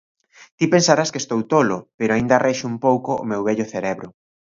Ti pensarás que estou tolo, pero aínda rexe un pouco o meu vello cerebro.